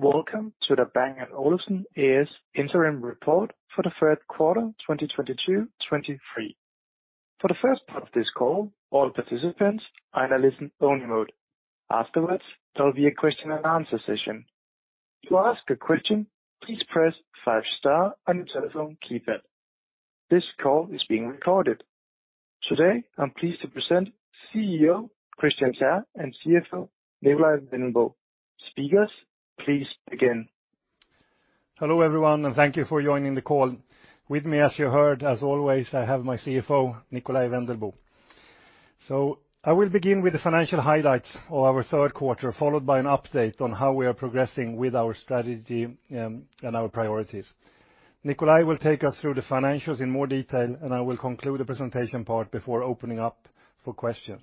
Welcome to the Bang & Olufsen is interim report for the third quarter, 2022-2023. For the first part of this call, all participants are in a listen only mode. Afterwards, there will be a question and answer session. To ask a question, please press five star on your telephone keypad. This call is being recorded. Today, I'm pleased to present CEO Kristian Teär and CFO Nikolaj Wendelboe. Speakers, please begin. Hello, everyone, and thank you for joining the call. With me, as you heard, as always, I have my CFO, Nikolaj Wendelboe. I will begin with the financial highlights of our third quarter, followed by an update on how we are progressing with our strategy, and our priorities. Nikolaj will take us through the financials in more detail, and I will conclude the presentation part before opening up for questions.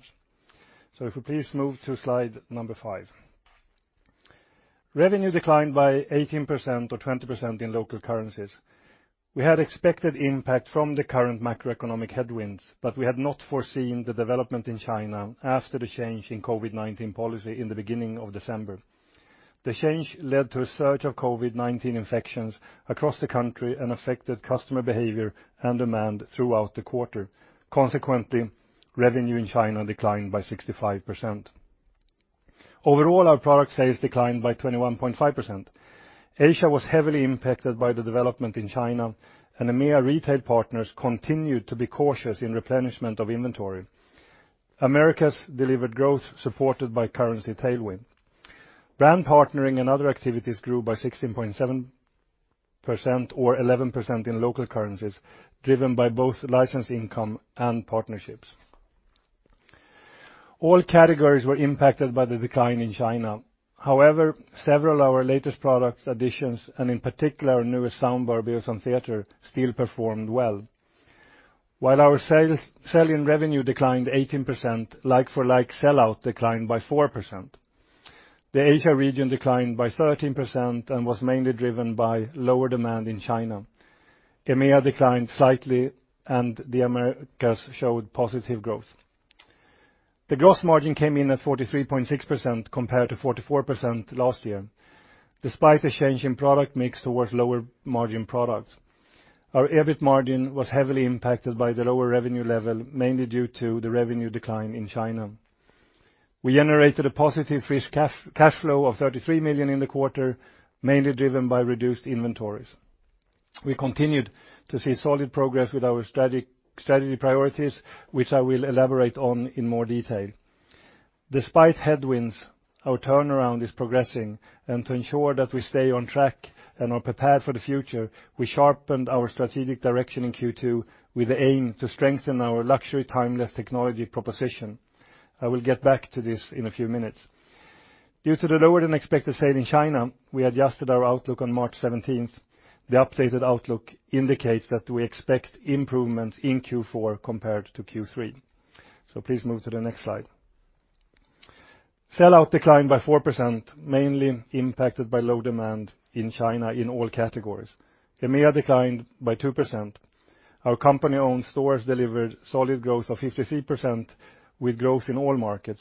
If we please move to slide number five. Revenue declined by 18% or 20% in local currencies. We had expected impact from the current macroeconomic headwinds, but we had not foreseen the development in China after the change in COVID-19 policy in the beginning of December. The change led to a surge of COVID-19 infections across the country and affected customer behavior and demand throughout the quarter. Consequently, revenue in China declined by 65%. Overall, our product sales declined by 21.5%. Asia was heavily impacted by the development in China. EMEA retail partners continued to be cautious in replenishment of inventory. Americas delivered growth supported by currency tailwind. Brand Partnering and other activities grew by 16.7% or 11% in local currencies, driven by both license income and partnerships. All categories were impacted by the decline in China. However, several of our latest product additions, and in particular our newest sound bar, Beosound Theatre, still performed well. While our sales, sell-in revenue declined 18%, like for like, sell-out declined by 4%. The Asia region declined by 13% and was mainly driven by lower demand in China. EMEA declined slightly, and the Americas showed positive growth. The gross margin came in at 43.6% compared to 44% last year. Despite a change in product mix towards lower margin products, our EBIT margin was heavily impacted by the lower revenue level, mainly due to the revenue decline in China. We generated a positive free cash flow of 33 million in the quarter, mainly driven by reduced inventories. We continued to see solid progress with our strategy priorities, which I will elaborate on in more detail. Despite headwinds, our turnaround is progressing, and to ensure that we stay on track and are prepared for the future, we sharpened our strategic direction in Q2 with the aim to strengthen our luxury, timeless technology proposition. I will get back to this in a few minutes. Due to the lower than expected sale in China, we adjusted our outlook on March 17th. The updated outlook indicates that we expect improvements in Q4 compared to Q3. Please move to the next slide. Sell-out declined by 4%, mainly impacted by low demand in China in all categories. EMEA declined by 2%. Our company-owned stores delivered solid growth of 53% with growth in all markets.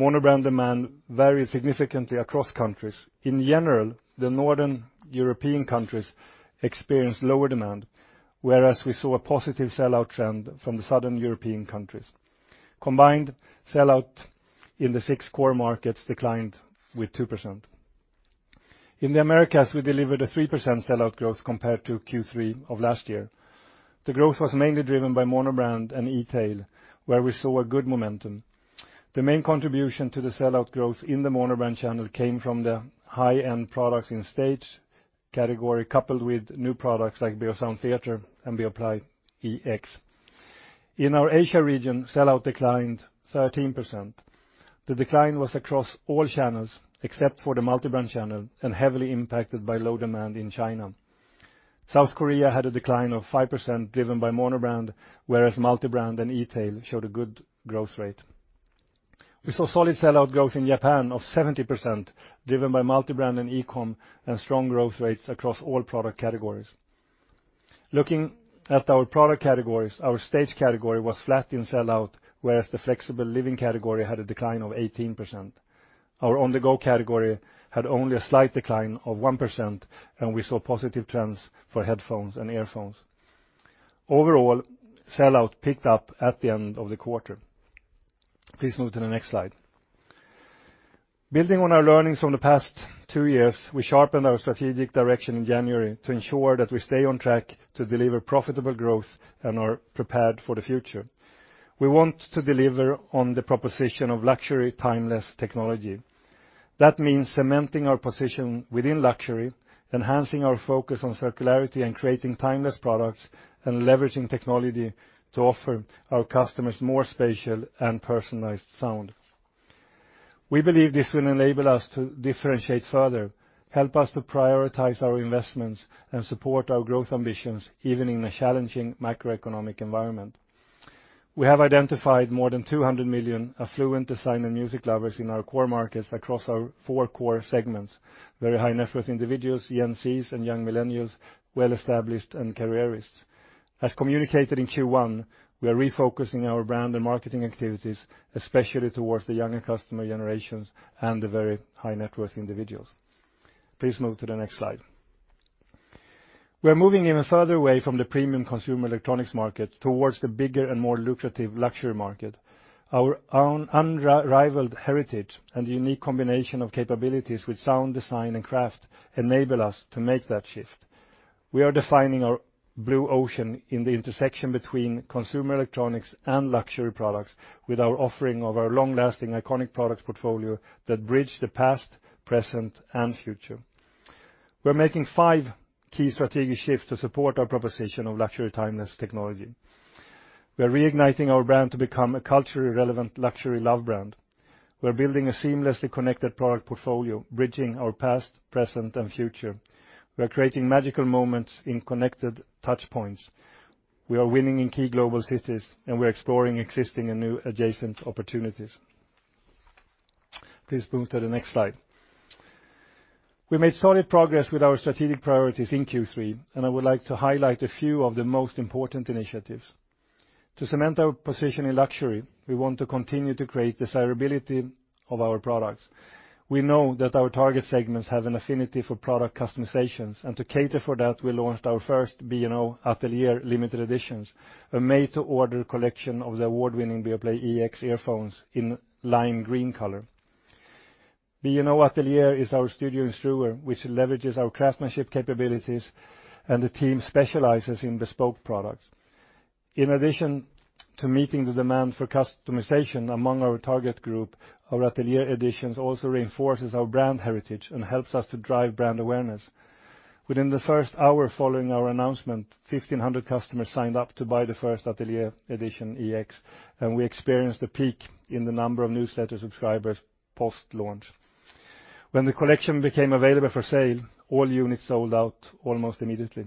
Monobrand demand varied significantly across countries. In general, the Northern European countries experienced lower demand, whereas we saw a positive sell-out trend from the Southern European countries. Combined, sell-out in the six core markets declined with 2%. In the Americas, we delivered a 3% sell-out growth compared to Q3 of last year. The growth was mainly driven by Monobrand and e-tail, where we saw a good momentum. The main contribution to the sell-out growth in the Monobrand channel came from the high-end products in Staged category, coupled with new products like Beosound Theatre and Beoplay EX. In our Asia region, sell-out declined 13%. The decline was across all channels, except for the multi-brand channel, and heavily impacted by low demand in China. South Korea had a decline of 5%, driven by monobrand, whereas multi-brand and e-tail showed a good growth rate. We saw solid sell-out growth in Japan of 70%, driven by multi-brand and e-com, and strong growth rates across all product categories. Looking at our product categories, our Staged category was flat in sell-out, whereas the Flexible Living category had a decline of 18%. Our On-the-go category had only a slight decline of 1%, and we saw positive trends for headphones and earphones. Overall, sell-out picked up at the end of the quarter. Please move to the next slide. Building on our learnings from the past two years, we sharpened our strategic direction in January to ensure that we stay on track to deliver profitable growth and are prepared for the future. We want to deliver on the proposition of luxury, timeless technology. That means cementing our position within luxury, enhancing our focus on circularity and creating timeless products, and leveraging technology to offer our customers more spatial and personalized sound. We believe this will enable us to differentiate further, help us to prioritize our investments, and support our growth ambitions, even in a challenging macroeconomic environment. We have identified more than 200 million affluent design and music lovers in our core markets across our four core segments, very High Net Worth Individuals, EMCs, and young millennials, well-established, and careerists. As communicated in Q1, we are refocusing our brand and marketing activities, especially towards the younger customer generations and the very high-net-worth individuals. Please move to the next slide. We're moving even further away from the premium consumer electronics market towards the bigger and more lucrative luxury market. Our own unrivaled heritage and unique combination of capabilities with sound design and craft enable us to make that shift. We are defining our blue ocean in the intersection between consumer electronics and luxury products with our offering of our long-lasting iconic products portfolio that bridge the past, present, and future. We're making five key strategic shifts to support our proposition of luxury timeless technology. We're reigniting our brand to become a culturally relevant luxury love brand. We're building a seamlessly connected product portfolio, bridging our past, present, and future. We are creating magical moments in connected touchpoints. We are winning in key global cities, and we're exploring existing and new adjacent opportunities. Please move to the next slide. We made solid progress with our strategic priorities in Q3, and I would like to highlight a few of the most important initiatives. To cement our position in luxury, we want to continue to create desirability of our products. We know that our target segments have an affinity for product customizations, and to cater for that, we launched our first B&O Atelier limited editions, a made-to-order collection of the award-winning Beoplay EX earphones in lime green color. B&O Atelier is our studio in Struer, which leverages our craftsmanship capabilities, and the team specializes in bespoke products. In addition to meeting the demand for customization among our target group, our Atelier editions also reinforces our brand heritage and helps us to drive brand awareness. Within the first hour following our announcement, 1,500 customers signed up to buy the first Atelier Edition EX, and we experienced a peak in the number of newsletter subscribers post-launch. When the collection became available for sale, all units sold out almost immediately.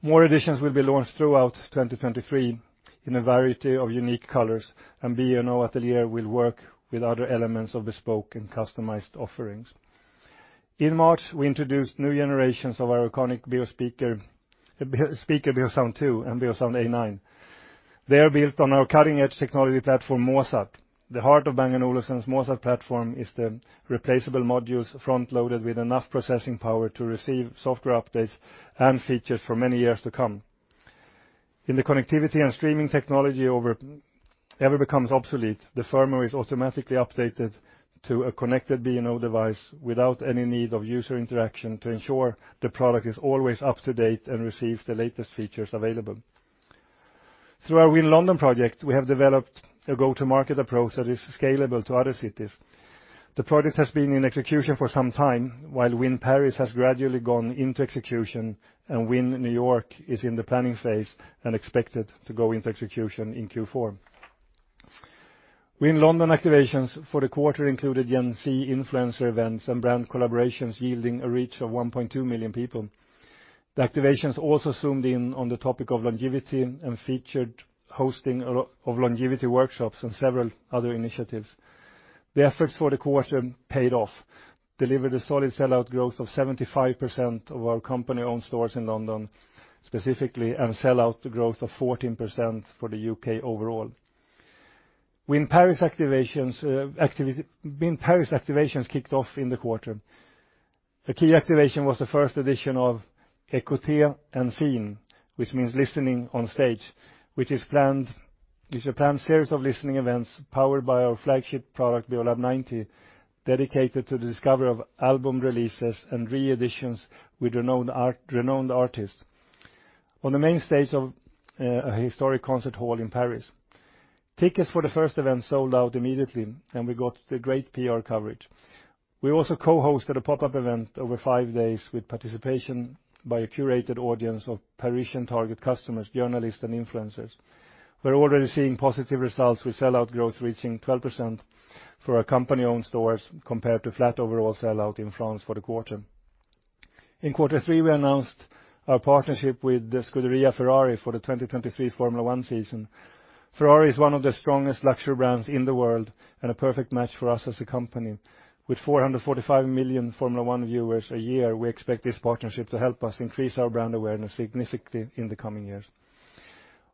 More editions will be launched throughout 2023 in a variety of unique colors, and B&O Atelier will work with other elements of bespoke and customized offerings. In March, we introduced new generations of our iconic speaker, Beosound 2 and Beosound A9. They are built on our cutting-edge technology platform, Mozart Platform. The heart of Bang & Olufsen's Mozart Platform is the replaceable modules front-loaded with enough processing power to receive software updates and features for many years to come. In the connectivity and streaming technology over ever becomes obsolete, the firmware is automatically updated to a connected B&O device without any need of user interaction to ensure the product is always up to date and receives the latest features available. Through our Win London project, we have developed a go-to-market approach that is scalable to other cities. The project has been in execution for some time, while Win Paris has gradually gone into execution and Win New York is in the planning phase and expected to go into execution in Q4. Win London activations for the quarter included Gen Z influencer events and brand collaborations yielding a reach of 1.2 million people. The activations also zoomed in on the topic of longevity and featured hosting of longevity workshops and several other initiatives. The efforts for the quarter paid off, delivered a solid sell-out growth of 75% of our company-owned stores in London, specifically, and sell-out growth of 14% for the U.K. overall. Win Paris activations kicked off in the quarter. A key activation was the first edition of Écouter en Scène, which means listening on stage, a planned series of listening events powered by our flagship product, Beolab 90, dedicated to the discovery of album releases and re-editions with renowned artists on the main stage of a historic concert hall in Paris. Tickets for the first event sold out immediately, we got the great PR coverage. We also co-hosted a pop-up event over five days with participation by a curated audience of Parisian target customers, journalists, and influencers. We're already seeing positive results with sell-out growth reaching 12% for our company-owned stores compared to flat overall sell-out in France for the quarter. In quarter three, we announced our partnership with Scuderia Ferrari for the 2023 Formula 1 season. Ferrari is one of the strongest luxury brands in the world and a perfect match for us as a company. With 445 million Formula 1 viewers a year, we expect this partnership to help us increase our brand awareness significantly in the coming years.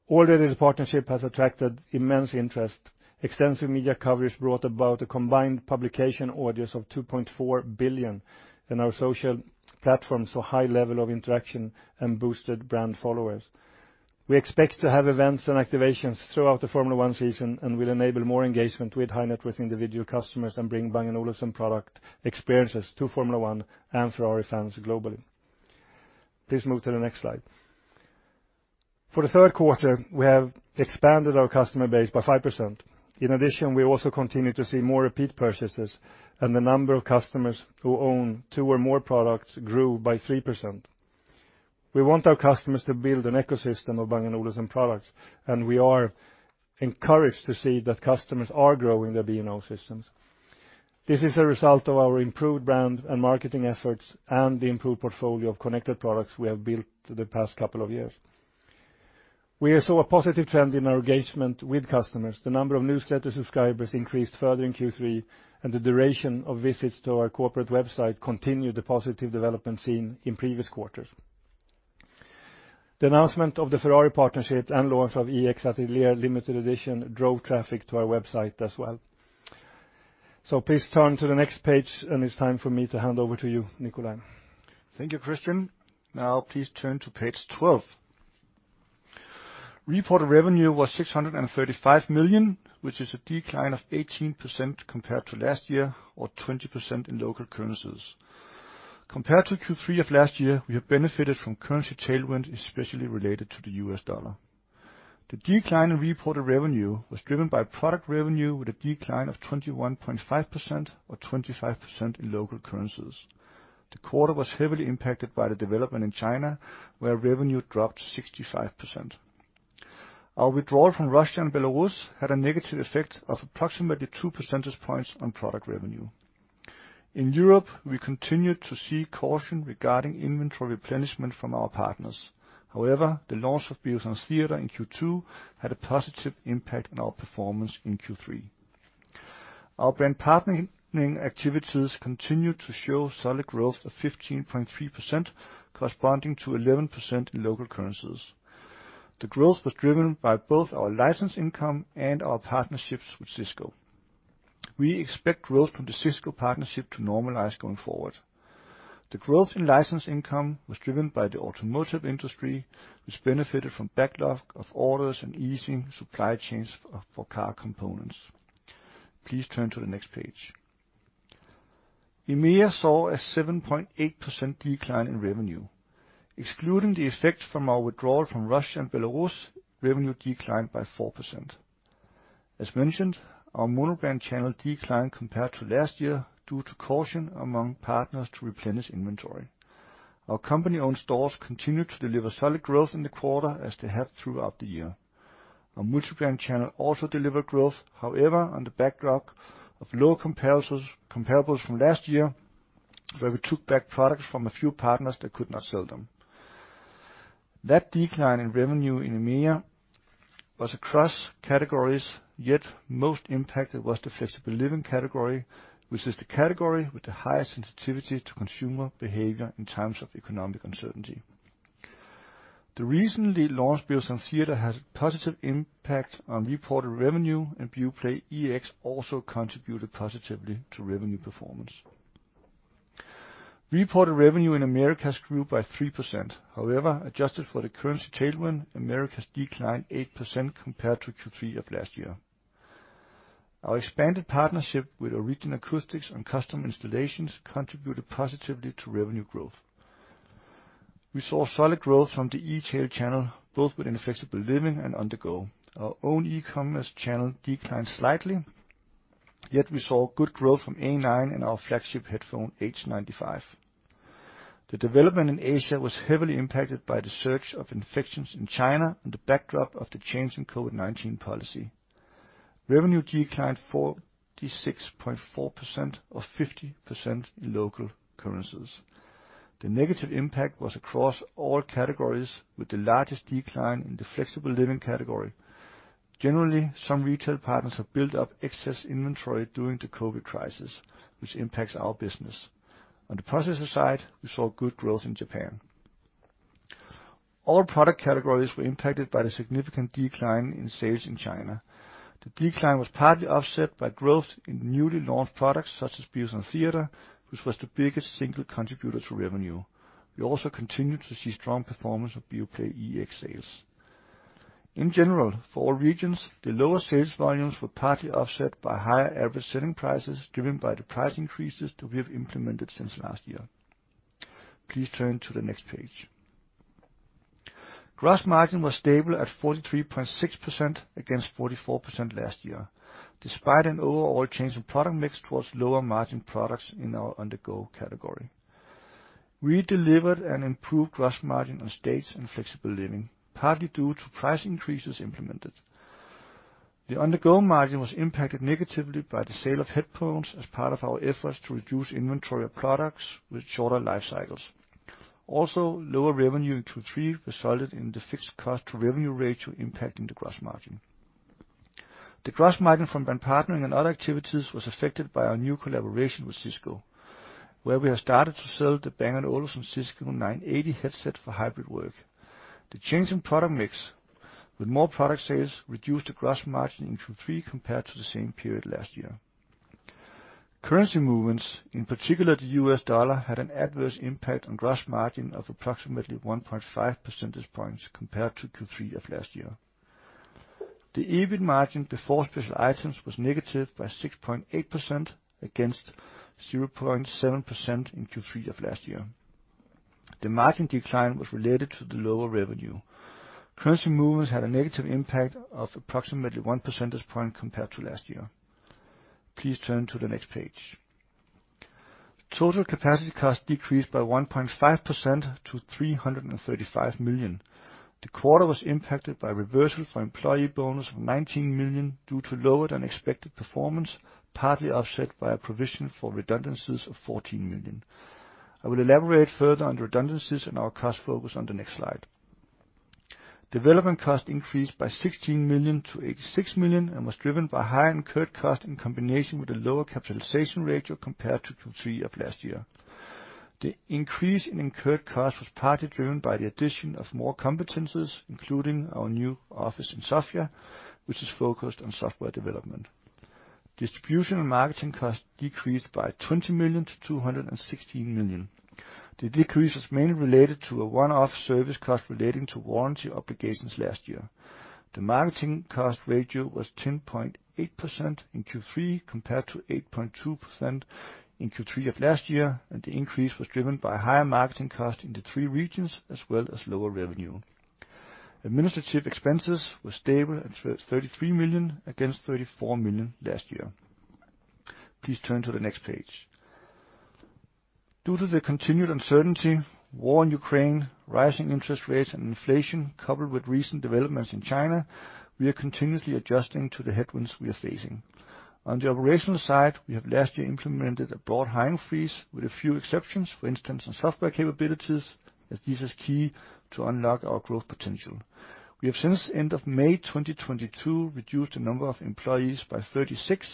Already, the partnership has attracted immense interest. Extensive media coverage brought about a combined publication audience of 2.4 billion, our social platforms saw high level of interaction and boosted brand followers. We expect to have events and activations throughout the Formula 1 season. Will enable more engagement with High Net Worth Individual customers and bring Bang & Olufsen product experiences to Formula 1 and Ferrari fans globally. Please move to the next slide. For the third quarter, we have expanded our customer base by 5%. In addition, we also continue to see more repeat purchases. The number of customers who own two or more products grew by 3%. We want our customers to build an ecosystem of Bang & Olufsen products. We are encouraged to see that customers are growing their B&O systems. This is a result of our improved brand and marketing efforts and the improved portfolio of connected products we have built the past couple of years. We saw a positive trend in our engagement with customers. The number of newsletter subscribers increased further in Q3, and the duration of visits to our corporate website continued the positive development seen in previous quarters. The announcement of the Ferrari partnership and launch of EX Atelier limited edition drove traffic to our website as well. Please turn to the next page, and it's time for me to hand over to you, Nikolaj. Thank you, Kristian. Now please turn to page 12. Reported revenue was 635 million, which is a decline of 18% compared to last year, or 20% in local currencies. Compared to Q3 of last year, we have benefited from currency tailwind, especially related to the US dollar. The decline in reported revenue was driven by product revenue with a decline of 21.5% or 25% in local currencies. The quarter was heavily impacted by the development in China, where revenue dropped 65%. Our withdrawal from Russia and Belarus had a negative effect of approximately 2 percentage points on product revenue. In Europe, we continued to see caution regarding inventory replenishment from our partners. However, the launch of Beosound Theatre in Q2 had a positive impact on our performance in Q3. Our Brand Partnering activities continued to show solid growth of 15.3%, corresponding to 11% in local currencies. The growth was driven by both our license income and our partnerships with Cisco. We expect growth from the Cisco partnership to normalize going forward. The growth in license income was driven by the automotive industry, which benefited from backlog of orders and easing supply chains for car components. Please turn to the next page. EMEA saw a 7.8% decline in revenue. Excluding the effect from our withdrawal from Russia and Belarus, revenue declined by 4%. As mentioned, our monobrand channel declined compared to last year due to caution among partners to replenish inventory. Our company-owned stores continued to deliver solid growth in the quarter, as they have throughout the year. Our multi-brand channel also delivered growth, however, on the backdrop of lower comparables from last year, where we took back products from a few partners that could not sell them. That decline in revenue in EMEA was across categories, yet most impacted was the Flexible Living category, which is the category with the highest sensitivity to consumer behavior in times of economic uncertainty. The recently launched Beosound Theatre has a positive impact on reported revenue, and Beoplay EX also contributed positively to revenue performance. Reported revenue in Americas grew by 3%. However, adjusted for the currency tailwind, Americas declined 8% compared to Q3 of last year. Our expanded partnership with Origin Acoustics on custom installations contributed positively to revenue growth. We saw solid growth from the e-tail channel, both within Flexible Living and On-the-go. Our own e-commerce channel declined slightly, yet we saw good growth from A9 and our flagship headphone, H95. The development in Asia was heavily impacted by the surge of infections in China and the backdrop of the change in COVID-19 policy. Revenue declined 46.4%, or 50% in local currencies. The negative impact was across all categories, with the largest decline in the Flexible Living category. Generally, some retail partners have built up excess inventory during the COVID crisis, which impacts our business. On the processor side, we saw good growth in Japan. All product categories were impacted by the significant decline in sales in China. The decline was partly offset by growth in newly launched products such as Beosound Theatre, which was the biggest single contributor to revenue. We also continued to see strong performance of Beoplay EX sales. In general, for all regions, the lower sales volumes were partly offset by higher average selling prices driven by the price increases that we have implemented since last year. Please turn to the next page. Gross margin was stable at 43.6% against 44% last year, despite an overall change in product mix towards lower margin products in our On-the-go category. We delivered an improved gross margin on Staged and Flexible Living, partly due to price increases implemented. The On-the-go margin was impacted negatively by the sale of headphones as part of our efforts to reduce inventory of products with shorter life cycles. Also, lower revenue in Q3 resulted in the fixed cost to revenue ratio impacting the gross margin. The gross margin from Brand Partnering and other activities was affected by our new collaboration with Cisco, where we have started to sell the Bang & Olufsen Cisco 980 headset for hybrid work. The change in product mix with more product sales reduced the gross margin in Q3 compared to the same period last year. Currency movements, in particular the US dollar, had an adverse impact on gross margin of approximately 1.5 percentage points compared to Q3 of last year. The EBIT margin before special items was negative by 6.8% against 0.7% in Q3 of last year. The margin decline was related to the lower revenue. Currency movements had a negative impact of approximately 1 percentage point compared to last year. Please turn to the next page. Total capacity costs decreased by 1.5% to 335 million. The quarter was impacted by reversal for employee bonus of 19 million due to lower than expected performance, partly offset by a provision for redundancies of 14 million. I will elaborate further on redundancies in our cost focus on the next slide. Development cost increased by 16 million-86 million, and was driven by higher incurred cost in combination with a lower capitalization ratio compared to Q3 of last year. The increase in incurred cost was partly driven by the addition of more competencies, including our new office in Sofia, which is focused on software development. Distribution and marketing costs decreased by 20 million-216 million. The decrease was mainly related to a one-off service cost relating to warranty obligations last year. The marketing cost ratio was 10.8% in Q3 compared to 8.2% in Q3 of last year, the increase was driven by higher marketing costs in the three regions as well as lower revenue. Administrative expenses were stable at 33 million against 34 million last year. Please turn to the next page. Due to the continued uncertainty, war in Ukraine, rising interest rates and inflation, coupled with recent developments in China, we are continuously adjusting to the headwinds we are facing. On the operational side, we have last year implemented a broad hiring freeze with a few exceptions, for instance on software capabilities, as this is key to unlock our growth potential. We have since end of May 2022 reduced the number of employees by 36,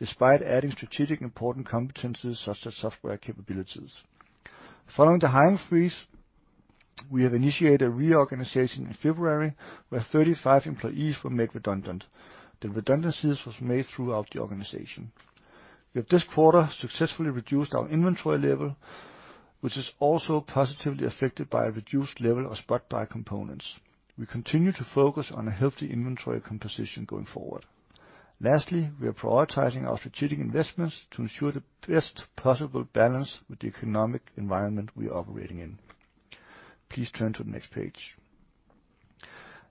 despite adding strategic important competencies such as software capabilities. Following the hiring freeze, we have initiated a reorganization in February where 35 employees were made redundant. The redundancies was made throughout the organization. We have this quarter successfully reduced our inventory level, which is also positively affected by a reduced level of spot buy components. We continue to focus on a healthy inventory composition going forward. Lastly, we are prioritizing our strategic investments to ensure the best possible balance with the economic environment we are operating in. Please turn to the next page.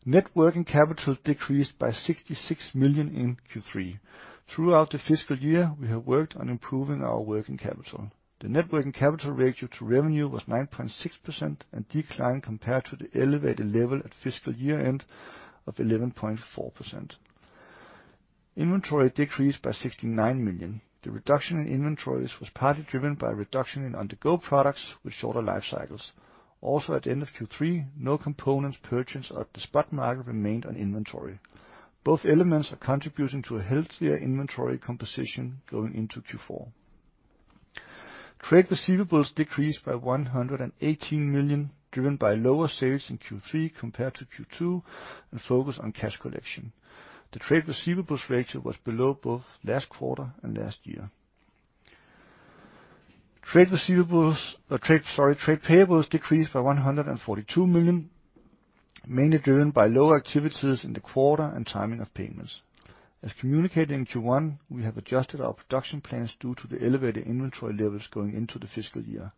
Net working capital decreased by 66 million in Q3. Throughout the fiscal year, we have worked on improving our working capital. The net working capital ratio to revenue was 9.6% and declined compared to the elevated level at fiscal year-end of 11.4%. Inventory decreased by 69 million. The reduction in inventories was partly driven by a reduction in On-the-go products with shorter life cycles. At the end of Q3, no components purchased at the spot market remained on inventory. Both elements are contributing to a healthier inventory composition going into Q4. Trade receivables decreased by 118 million, driven by lower sales in Q3 compared to Q2 and focus on cash collection. The trade receivables ratio was below both last quarter and last year. Trade payables decreased by 142 million, mainly driven by lower activities in the quarter and timing of payments. As communicated in Q1, we have adjusted our production plans due to the elevated inventory levels going into the fiscal year.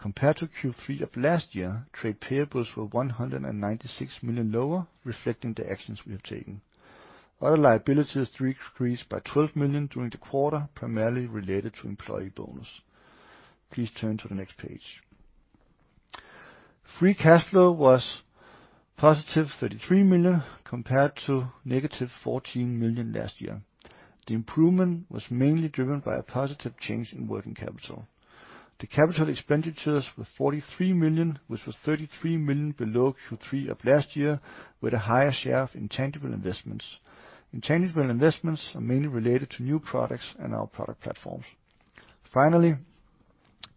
Compared to Q3 of last year, trade payables were 196 million lower, reflecting the actions we have taken. Other liabilities decreased by 12 million during the quarter, primarily related to employee bonus. Please turn to the next page. Free cash flow was positive 33 million compared to negative 14 million last year. The improvement was mainly driven by a positive change in working capital. The CapEx were 43 million, which was 33 million below Q3 of last year, with a higher share of intangible investments. Intangible investments are mainly related to new products and our product platforms.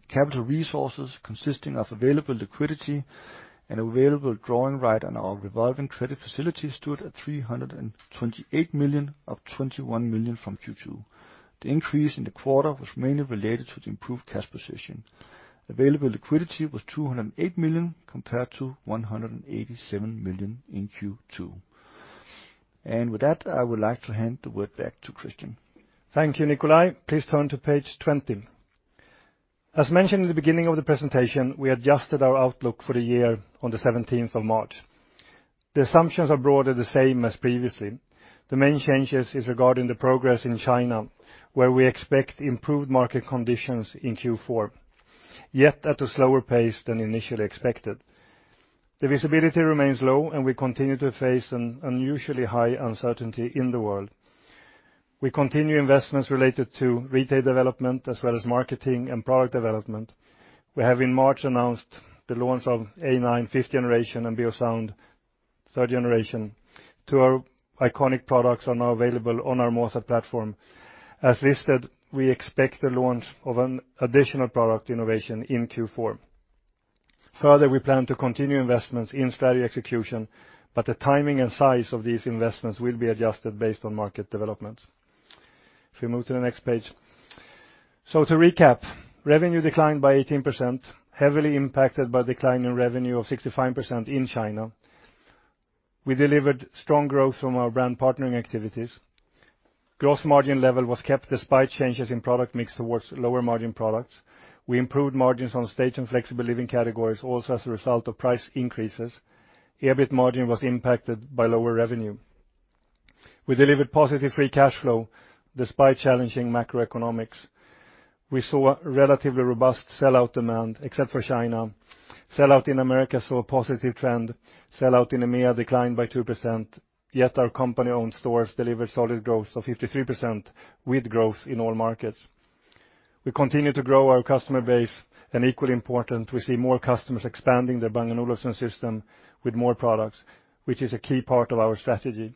Capital resources consisting of available liquidity and available drawing right on our revolving credit facility stood at 328 million, up 21 million from Q2. The increase in the quarter was mainly related to the improved cash position. Available liquidity was 208 million compared to 187 million in Q2. With that, I would like to hand the word back to Kristian. Thank you, Nikolaj. Please turn to page 20. As mentioned in the beginning of the presentation, we adjusted our outlook for the year on the 17th of March. The assumptions are broadly the same as previously. The main changes is regarding the progress in China, where we expect improved market conditions in Q4, yet at a slower pace than initially expected. The visibility remains low. We continue to face an unusually high uncertainty in the world. We continue investments related to retail development as well as marketing and product development. We have in March announced the launch of A9 fifth generation and Beosound third generation. Two of our iconic products are now available on our Mozart Platform. As listed, we expect the launch of an additional product innovation in Q4. Further, we plan to continue investments in steady execution, but the timing and size of these investments will be adjusted based on market development. If we move to the next page. To recap, revenue declined by 18%, heavily impacted by decline in revenue of 65% in China. We delivered strong growth from our Brand Partnering activities. Gross margin level was kept despite changes in product mix towards lower margin products. We improved margins on Stage and Flexible Living categories also as a result of price increases. EBIT margin was impacted by lower revenue. We delivered positive free cash flow despite challenging macroeconomics. We saw a relatively robust sellout demand except for China. Sellout in America saw a positive trend. Sellout in EMEA declined by 2%. Yet our company-owned stores delivered solid growth of 53% with growth in all markets. We continue to grow our customer base, and equally important, we see more customers expanding their Bang & Olufsen system with more products, which is a key part of our strategy.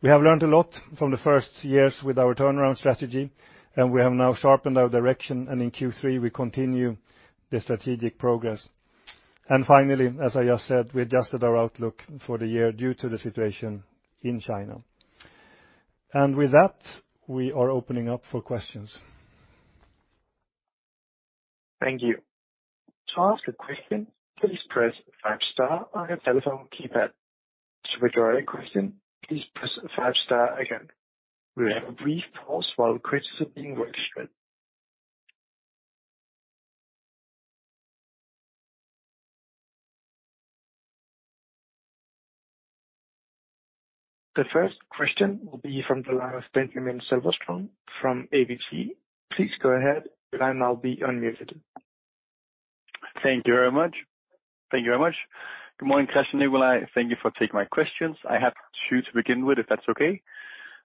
We have learned a lot from the first years with our turnaround strategy, and we have now sharpened our direction, and in Q3, we continue the strategic progress. Finally, as I just said, we adjusted our outlook for the year due to the situation in China. With that, we are opening up for questions. Thank you. To ask a question, please press five star on your telephone keypad. To withdraw your question, please press five star again. We'll have a brief pause while questions are being registered. The first question will be from the line of Benjamin Silverstone from ABG. Please go ahead. Your line now be unmuted. Thank you very much. Thank you very much. Good morning, Kristian and Nikolaj. Thank you for taking my questions. I have two to begin with, if that's okay.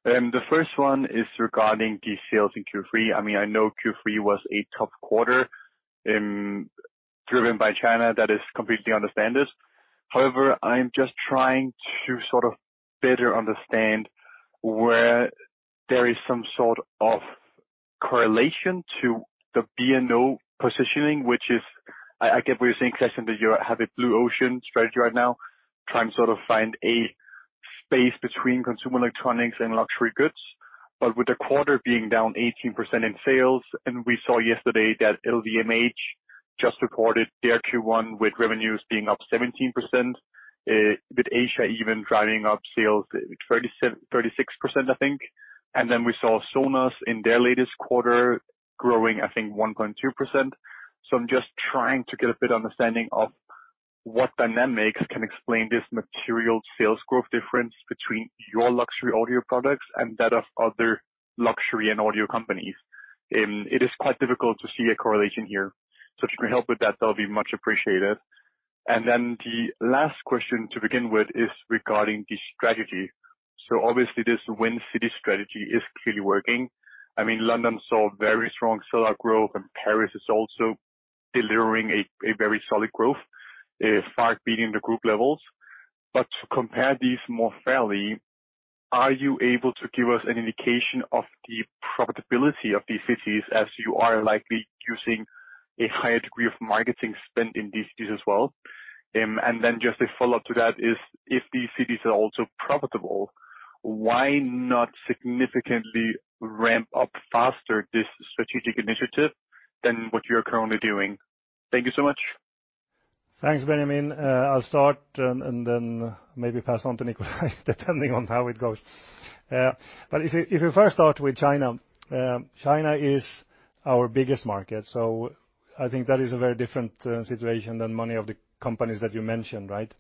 The first one is regarding the sales in Q3. I mean, I know Q3 was a tough quarter, driven by China. That is completely understandable. However, I'm just trying to sort of better understand where there is some sort of correlation to the B&O positioning, which is, I get what you're saying, Kristian, that you have a blue ocean strategy right now, trying to sort of find a space between consumer electronics and luxury goods. With the quarter being down 18% in sales, and we saw yesterday that LVMH just reported their Q1 with revenues being up 17%, with Asia even driving up sales 36%, I think. We saw Sonos in their latest quarter growing, I think, 1.2%. I'm just trying to get a bit understanding of what dynamics can explain this material sales growth difference between your luxury audio products and that of other luxury and audio companies. It is quite difficult to see a correlation here. If you can help with that'll be much appreciated. The last question to begin with is regarding the strategy. Obviously this Win City strategy is clearly working. I mean, London saw very strong seller growth, and Paris is also delivering a very solid growth, far beating the group levels. To compare these more fairly, are you able to give us an indication of the profitability of these cities as you are likely using a higher degree of marketing spend in these cities as well? Just a follow-up to that is if these cities are also profitable, why not significantly ramp up faster this strategic initiative than what you're currently doing? Thank you so much. Thanks, Benjamin. I'll start and then maybe pass on to Nikolaj, depending on how it goes. But if you first start with China is our biggest market. I think that is a very different situation than many of the companies that you mentioned, right?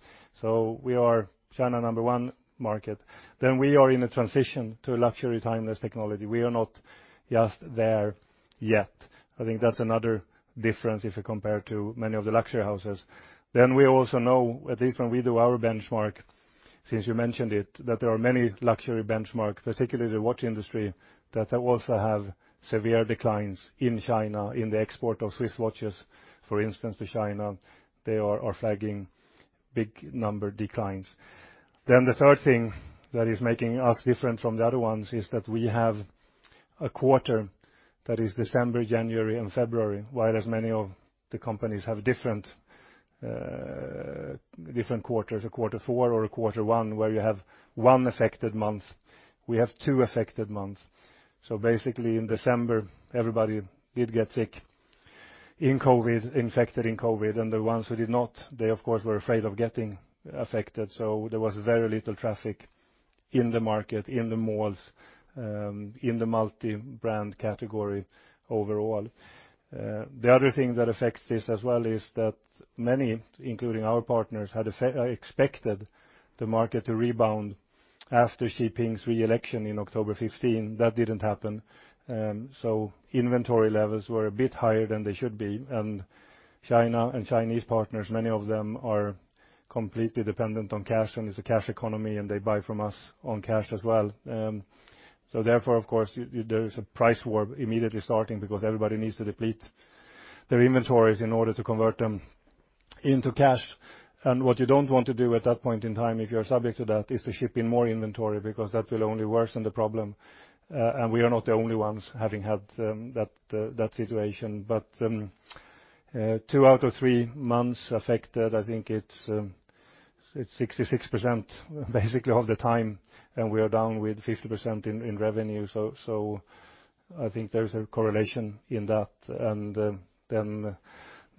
We are China number 1 market. We are in a transition to luxury timeless technology. We are not just there yet. I think that's another difference if you compare to many of the luxury houses. We also know, at least when we do our benchmark, since you mentioned it, that there are many luxury benchmark, particularly the watch industry, that also have severe declines in China, in the export of Swiss watches, for instance, to China, they are flagging big number declines. The third thing that is making us different from the other ones is that we have a quarter that is December, January and February, whereas many of the companies have different quarters, a quarter four or a quarter one, where you have one affected month. We have two affected months. Basically in December, everybody did get sick in COVID, infected in COVID, and the ones who did not, they of course, were afraid of getting affected. There was very little traffic in the market, in the malls, in the multi-brand category overall. The other thing that affects this as well is that many, including our partners, had expected the market to rebound after Xi Jinping's reelection in October 2015. That didn't happen. Inventory levels were a bit higher than they should be. China and Chinese partners, many of them are completely dependent on cash, and it's a cash economy, and they buy from us on cash as well. Therefore, of course, there is a price war immediately starting because everybody needs to deplete their inventories in order to convert them into cash. What you don't want to do at that point in time, if you're subject to that, is to ship in more inventory because that will only worsen the problem. We are not the only ones having had that situation. Two out of three months affected, I think it's 66% basically all the time, and we are down with 50% in revenue. I think there's a correlation in that.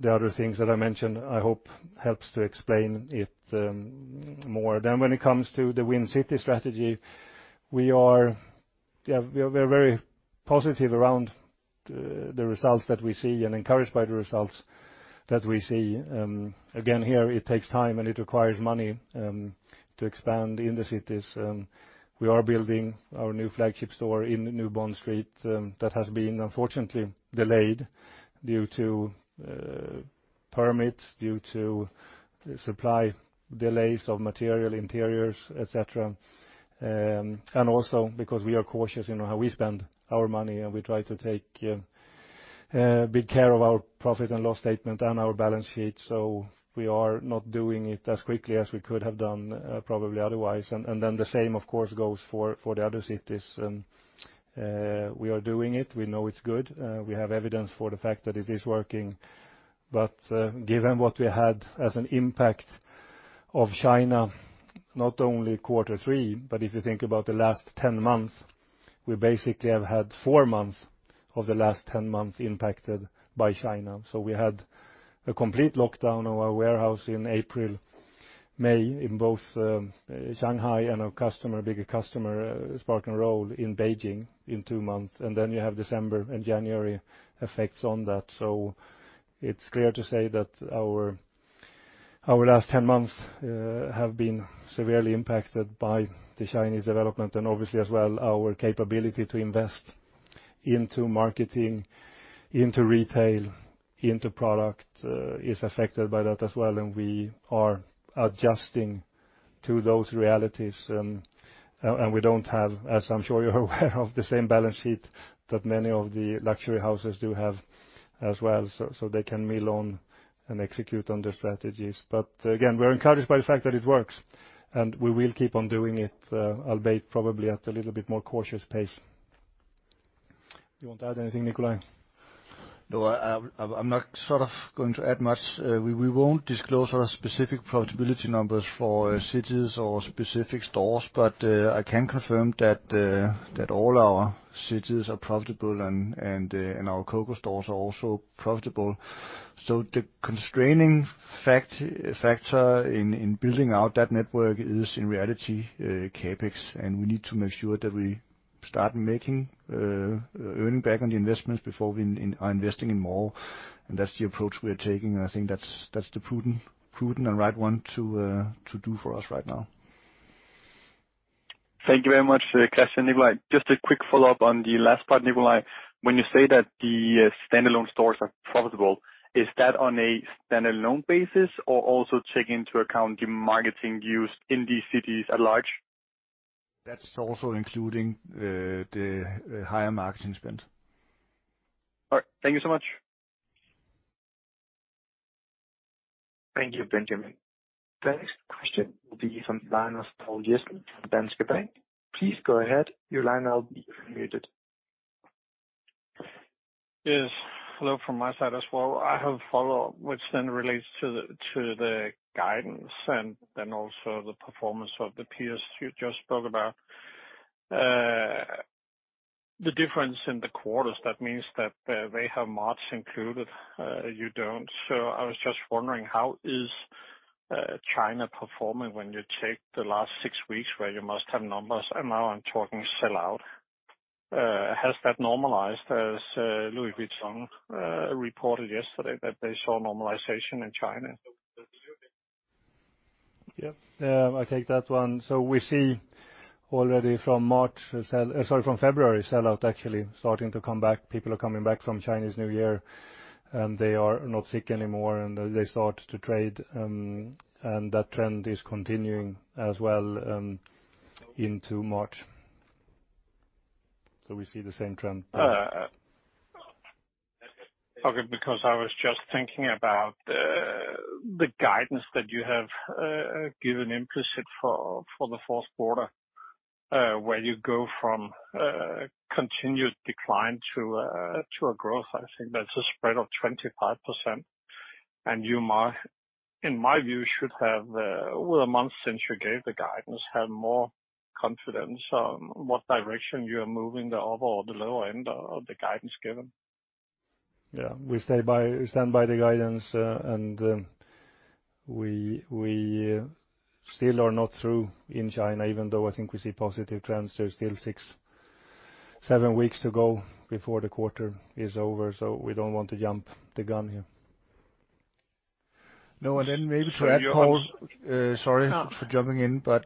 The other things that I mentioned, I hope helps to explain it more. When it comes to the Win City strategy, we are very positive around the results that we see and encouraged by the results that we see. Again, here it takes time and it requires money to expand in the cities. We are building our new flagship store in New Bond Street, that has been unfortunately delayed due to permits due to supply delays of material interiors, et cetera. Also because we are cautious in how we spend our money, and we try to take big care of our profit and loss statement and our balance sheet. We are not doing it as quickly as we could have done probably otherwise. Then the same, of course, goes for the other cities. We are doing it. We know it's good. We have evidence for the fact that it is working. Given what we had as an impact of China, not only quarter three, but if you think about the last 10 months, we basically have had four months of the last 10 months impacted by China. We had a complete lockdown of our warehouse in April, May, in both Shanghai and our customer, bigger customer, Sparkle Roll in Beijing in two months. You have December and January effects on that. It's clear to say that our last 10 months have been severely impacted by the Chinese development and obviously as well, our capability to invest into marketing, into retail, into product is affected by that as well. We are adjusting to those realities. We don't have, as I'm sure you're aware of, the same balance sheet that many of the luxury houses do have as well, so they can mill on and execute on their strategies. Again, we're encouraged by the fact that it works, and we will keep on doing it, albeit probably at a little bit more cautious pace. You want to add anything, Nikolaj? No, I'm not sort of going to add much. We won't disclose our specific profitability numbers for cities or specific stores. I can confirm that all our cities are profitable and our COCO stores are also profitable. The constraining factor in building out that network is in reality CapEx. We need to make sure that we start making earning back on the investments before we are investing in more. That's the approach we're taking. I think that's the prudent and right one to do for us right now. Thank you very much, Kristian and Nikolaj. Just a quick follow-up on the last part, Nikolaj. When you say that the standalone stores are profitable, is that on a standalone basis or also take into account the marketing used in these cities at large? That's also including, the higher marketing spend. All right. Thank you so much. Thank you, Benjamin. The next question will be from Poul Jessen from Danske Bank. Please go ahead. Your line now will be unmuted. Yes. Hello from my side as well. I have a follow-up which then relates to the guidance and then also the performance of the peers you just spoke about. The difference in the quarters, that means that, they have March included, you don't. I was just wondering, how is China performing when you check the last six weeks where you must have numbers, and now I'm talking sell-out. Has that normalized as Louis Vuitton reported yesterday that they saw normalization in China? Yeah. I take that one. We see already from March Sorry, from February, sell-out actually starting to come back. People are coming back from Chinese New Year, and they are not sick anymore, and they start to trade. That trend is continuing as well, into March. We see the same trend. Okay, because I was just thinking about the guidance that you have given implicit for the fourth quarter, where you go from continued decline to a growth. I think that's a spread of 25%. In my view, should have over a month since you gave the guidance, have more confidence on what direction you are moving, the upper or the lower end of the guidance given. Yeah. We say stand by the guidance. We still are not through in China, even though I think we see positive trends. There's still six, seven weeks to go before the quarter is over. We don't want to jump the gun here. No. Then maybe to add, Poul, sorry for jumping in, but.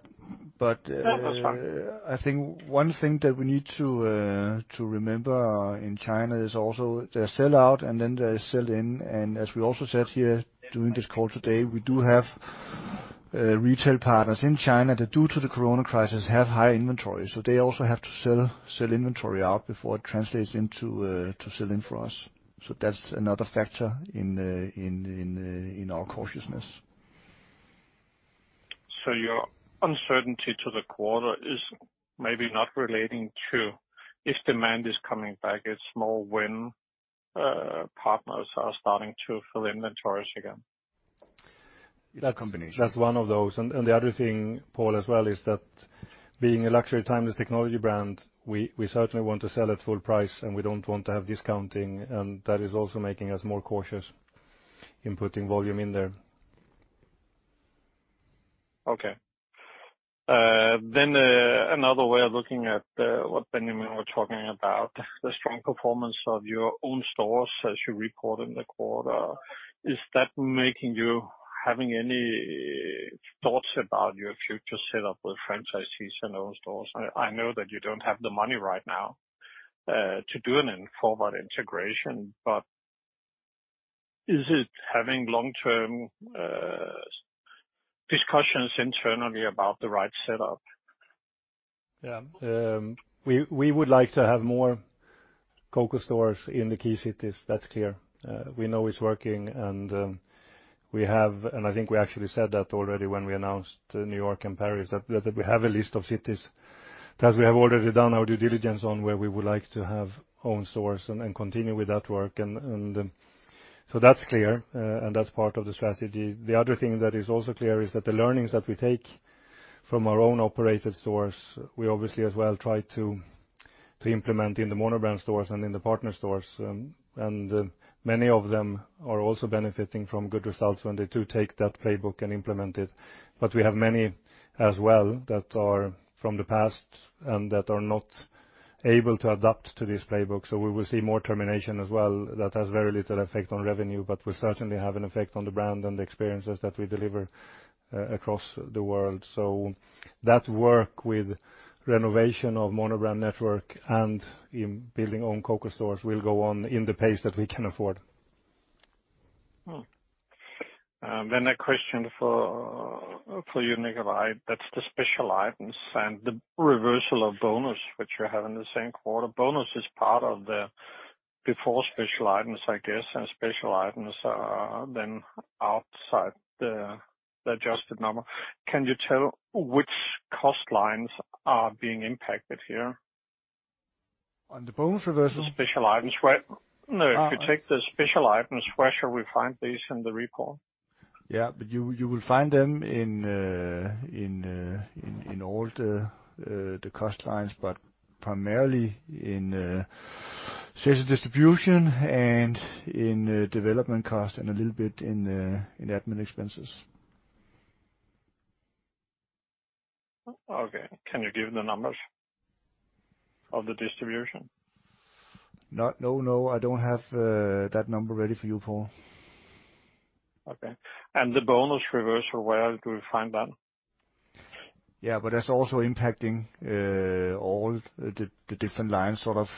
No, that's fine. I think one thing that we need to remember in China is also there's sell out and then there's sell in. As we also said here during this call today, we do have retail partners in China that, due to the corona crisis, have high inventory. They also have to sell inventory out before it translates into to sell in for us. That's another factor in our cautiousness. Your uncertainty to the quarter is maybe not relating to if demand is coming back, it's more when partners are starting to fill inventories again. It's a combination. That's one of those. The other thing, Poul, as well, is that being a luxury timeless technology brand, we certainly want to sell at full price, and we don't want to have discounting. That is also making us more cautious in putting volume in there. Okay. another way of looking at, what Benjamin was talking about, the strong performance of your own stores as you report in the quarter. Is that making you having any thoughts about your future set up with franchisees and own stores? I know that you don't have the money right now. to do an informal integration, but is it having long-term discussions internally about the right setup? Yeah. We would like to have more COCO stores in the key cities, that's clear. We know it's working and I think we actually said that already when we announced New York and Paris, that we have a list of cities that we have already done our due diligence on, where we would like to have own stores and continue with that work. That's clear and that's part of the strategy. The other thing that is also clear is that the learnings that we take from our own operated stores, we obviously as well try to implement in the monobrand stores and in the partner stores. Many of them are also benefiting from good results when they do take that playbook and implement it. We have many as well that are from the past and that are not able to adapt to this playbook. We will see more termination as well. That has very little effect on revenue, but will certainly have an effect on the brand and the experiences that we deliver across the world. That work with renovation of monobrand network and in building own COCO stores will go on in the pace that we can afford. A question for you, Nikolaj. That's the special items and the reversal of bonus which you have in the same quarter. Bonus is part of the before special items, I guess, and special items are then outside the adjusted number. Can you tell which cost lines are being impacted here? On the bonus reversal? Special items. No, if you take the special items, where shall we find these in the report? Yeah. You will find them in all the cost lines, but primarily in sales and distribution and in development cost and a little bit in admin expenses. Okay. Can you give the numbers of the distribution? No, no, I don't have that number ready for you, Poul. Okay. The bonus reversal, where do we find that? Yeah. That's also impacting, all the different lines, sort of,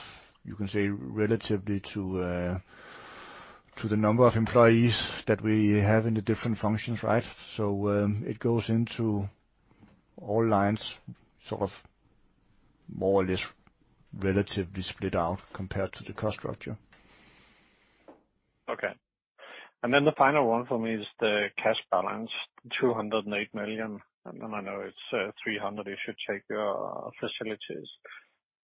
you can say, relatively to the number of employees that we have in the different functions, right? It goes into all lines, sort of more or less relatively split out compared to the cost structure. Okay. The final one for me is the cash balance, 208 million. I know it's 300 million if you take your facilities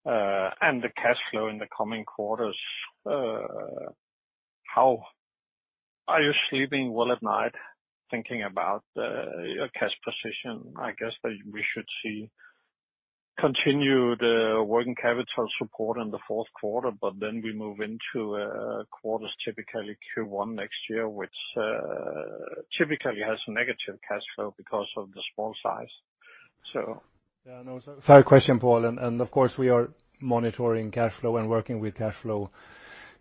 and the cash flow in the coming quarters. Are you sleeping well at night thinking about your cash position? I guess that we should see continued working capital support in the fourth quarter, but then we move into quarters typically Q1 next year, which typically has negative cash flow because of the small size. Yeah, no. Fair question, Poul. Of course, we are monitoring cash flow and working with cash flow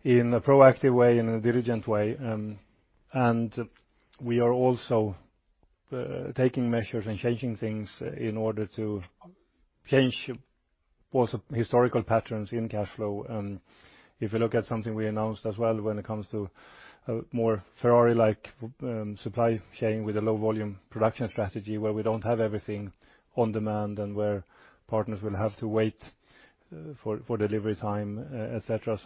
in a proactive way, in a diligent way. We are also taking measures and changing things in order to change lots of historical patterns in cash flow. If you look at something we announced as well when it comes to a more Ferrari-like supply chain with a low volume production strategy where we don't have everything on demand and where partners will have to wait for delivery time, et cetera.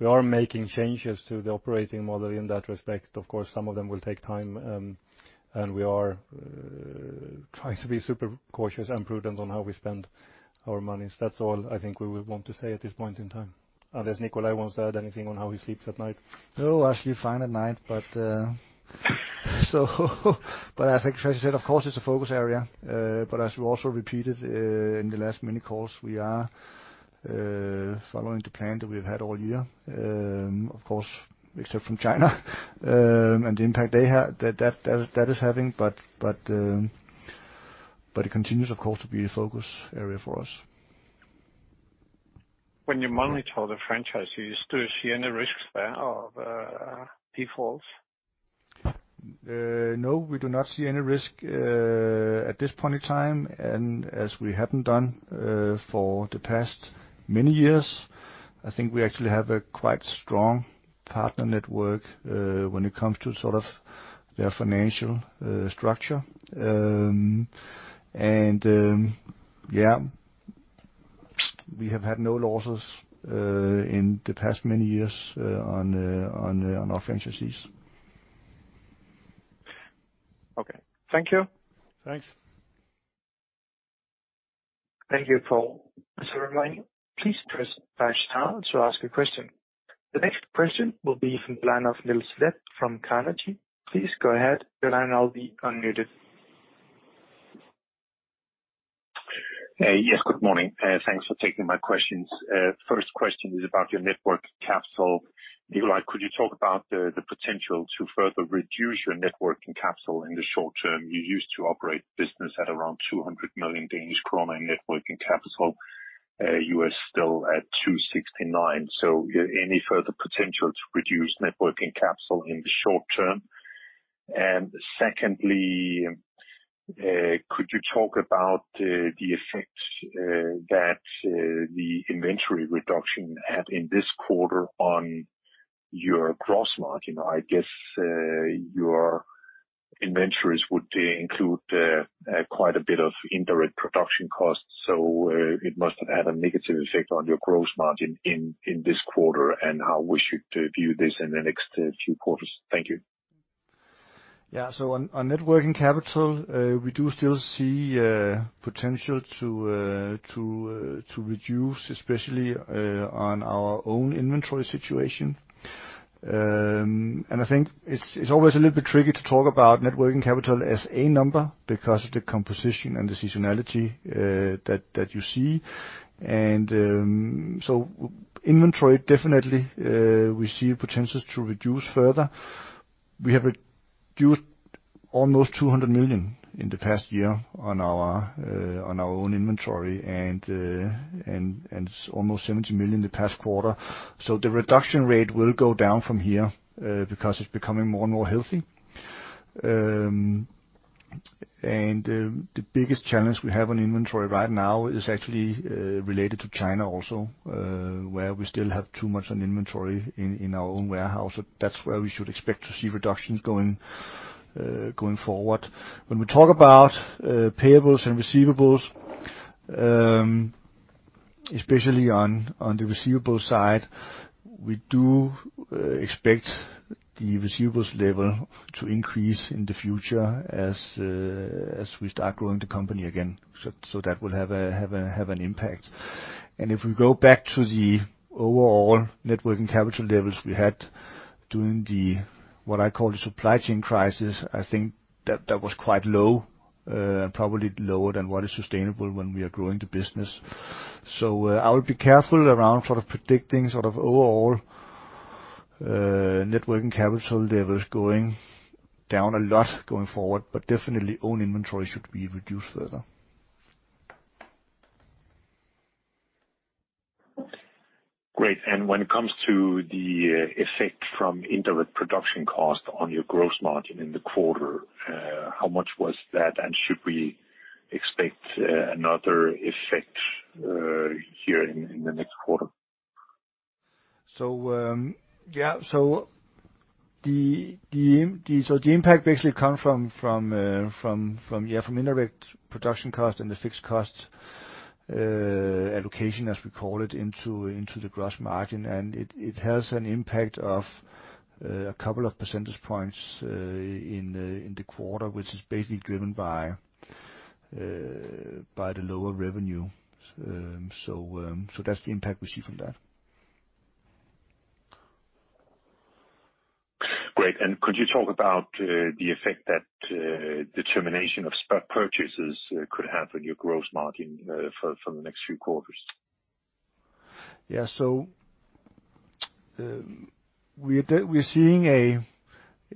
We are making changes to the operating model in that respect. Of course, some of them will take time, and we are trying to be super cautious and prudent on how we spend our money. That's all I think we would want to say at this point in time. Unless Nikolaj wants to add anything on how he sleeps at night. I sleep fine at night, but I think as you said, of course, it's a focus area. As we also repeated in the last many calls, we are following the plan that we've had all year. Of course, except from China, and the impact that is having. It continues, of course, to be a focus area for us. When you monitor the franchisees, do you see any risks there of defaults? No, we do not see any risk at this point in time. As we haven't done for the past many years, I think we actually have a quite strong partner network when it comes to sort of their financial structure. We have had no losses in the past many years on our franchisees. Okay. Thank you. Thanks. Thank you, Poul. As a reminder, please press star to ask a question. The next question will be from the line of Niels Granholm-Leth from Carnegie. Please go ahead. Your line will now be unmuted. Yes, good morning. Thanks for taking my questions. First question is about your net working capital. Nikolaj, could you talk about the potential to further reduce your net working capital in the short term? You used to operate business at around 200 million Danish krone in net working capital. You are still at 269 million. Is there any further potential to reduce net working capital in the short term? Secondly, could you talk about the effect that the inventory reduction had in this quarter on your gross margin? I guess your inventories would include quite a bit of indirect production costs, so it must have had a negative effect on your gross margin in this quarter. How we should view this in the next few quarters? Thank you. On networking capital, we do still see potential to reduce, especially on our own inventory situation. I think it's always a little bit tricky to talk about networking capital as a number because of the composition and the seasonality that you see. Inventory, definitely, we see potential to reduce further. We have reduced almost 200 million in the past year on our own inventory and almost 70 million in the past quarter. The reduction rate will go down from here because it's becoming more and more healthy. The biggest challenge we have on inventory right now is actually related to China also, where we still have too much on inventory in our own warehouse. That's where we should expect to see reductions going going forward. When we talk about payables and receivables, especially on the receivable side, we do expect the receivables level to increase in the future as we start growing the company again. That will have an impact. If we go back to the overall networking capital levels we had during the, what I call the supply chain crisis, I think that was quite low, probably lower than what is sustainable when we are growing the business. I would be careful around sort of predicting sort of overall networking capital levels going down a lot going forward, but definitely own inventory should be reduced further. Great. When it comes to the effect from indirect production cost on your gross margin in the quarter, how much was that? Should we expect another effect here in the next quarter? Yeah. The impact basically come from, yeah, from indirect production cost and the fixed cost allocation, as we call it, into the gross margin. It has an impact of a couple of percentage points in the quarter, which is basically driven by the lower revenue. That's the impact we see from that. Great. Could you talk about the effect that the termination of spot purchases could have on your gross margin for the next few quarters? Yeah. We're seeing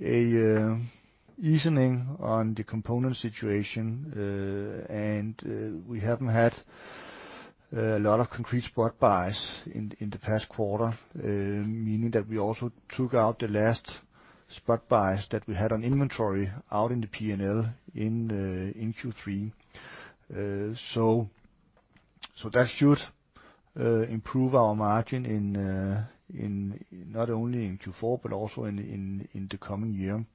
an easing on the component situation. We haven't had a lot of concrete spot buys in the past quarter, meaning that we also took out the last spot buys that we had on inventory out in the P&L in Q3. That should improve our margin not only in Q4 but also in the coming year.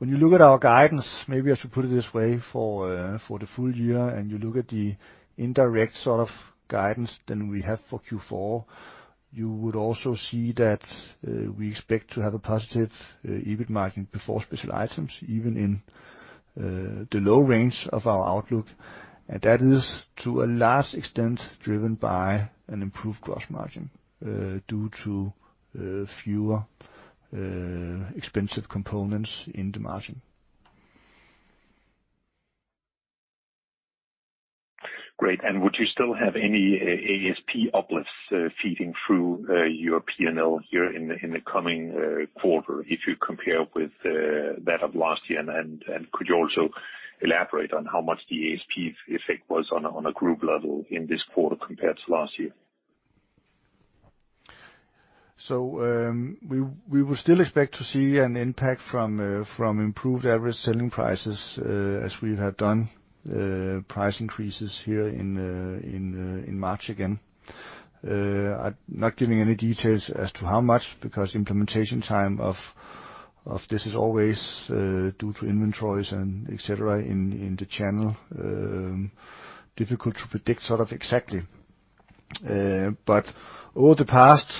When you look at our guidance, maybe I should put it this way, for the full year and you look at the indirect sort of guidance than we have for Q4, you would also see that we expect to have a positive EBIT margin before special items, even in the low range of our outlook. That is to a large extent driven by an improved gross margin, due to fewer expensive components in the margin. Great. Would you still have any ASP uplifts feeding through your P&L here in the coming quarter if you compare with that of last year? Could you also elaborate on how much the ASP effect was on a group level in this quarter compared to last year? We will still expect to see an impact from improved average selling prices as we have done price increases here in March again. I'm not giving any details as to how much because implementation time of this is always due to inventories and et cetera in the channel, difficult to predict sort of exactly. Over the past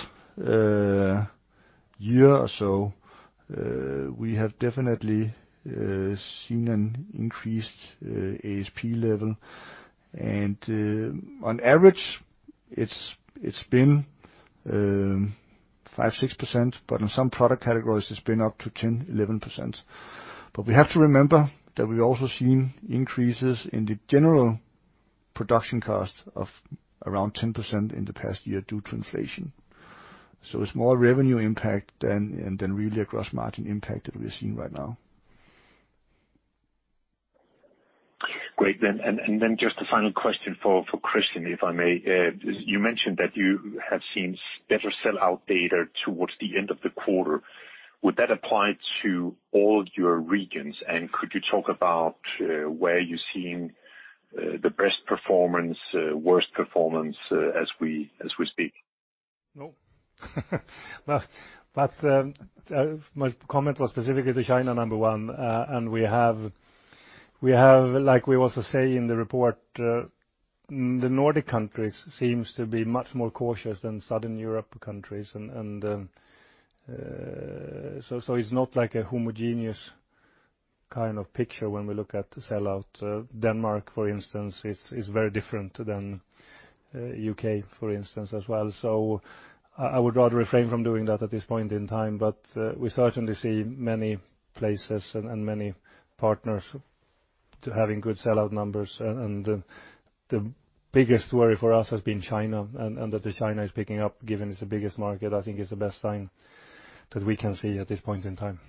year or so, we have definitely seen an increased ASP level. On average it's been 5%-6%, but in some product categories it's been up to 10%-11%. We have to remember that we've also seen increases in the general production cost of around 10% in the past year due to inflation. It's more revenue impact than really a gross margin impact that we're seeing right now. Great. Just a final question for Kristian, if I may. You mentioned that you have seen better sell-out data towards the end of the quarter. Would that apply to all your regions? Could you talk about, where you're seeing, the best performance, worst performance as we, as we speak? My comment was specifically to China, number one. We have like we also say in the report, the Nordic countries seems to be much more cautious than Southern Europe countries and it's not like a homogeneous kind of picture when we look at the sellout. Denmark, for instance, is very different than U.K., for instance, as well. I would rather refrain from doing that at this point in time. We certainly see many places and many partners to having good sellout numbers. The biggest worry for us has been China and that the China is picking up, given it's the biggest market, I think is the best sign that we can see at this point in time.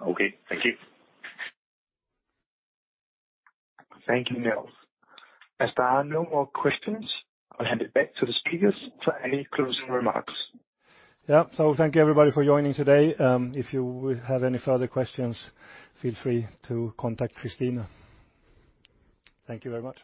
Okay, thank you. Thank you, Niels. As there are no more questions, I'll hand it back to the speakers for any closing remarks. Yeah. Thank you everybody for joining today. If you have any further questions, feel free to contact Christina. Thank you very much.